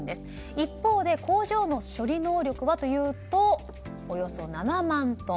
一方で工場の処理能力はというとおよそ７万トン。